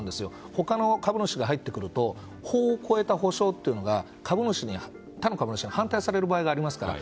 他の株主が入ってくると法を超えた補償というのが株主に反対される場合がありますから。